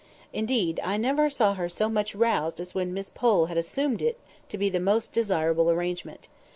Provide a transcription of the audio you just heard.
Indeed, I never saw her so much roused as when Miss Pole had assumed it to be the most desirable arrangement.